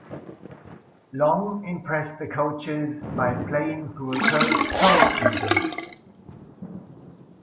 Long impressed the coaches by playing through a turf toe injury.